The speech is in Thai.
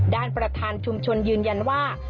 ประธานชุมชนยืนยันว่า